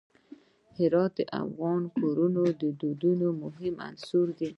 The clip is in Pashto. هرات د افغان کورنیو د دودونو مهم عنصر دی.